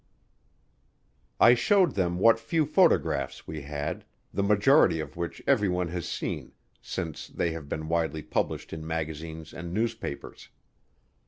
I showed them what few photographs we had, the majority of which everyone has seen, since they have been widely published in magazines and newspapers.